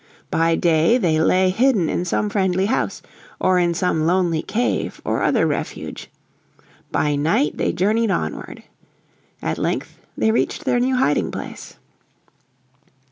By day they lay hidden in some friendly house, or in some lonely cave or other refuge. By night they journeyed onward. At length they reached their new hiding place.